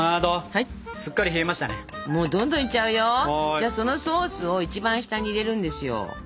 じゃそのソースを一番下に入れるんですよ。